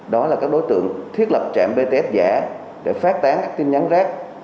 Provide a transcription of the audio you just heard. đó là các đối tượng thiết lập trạm bts giả để phát tán các tin nhắn rác